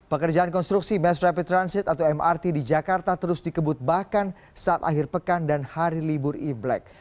pekerjaan konstruksi mass rapid transit atau mrt di jakarta terus dikebut bahkan saat akhir pekan dan hari libur imlek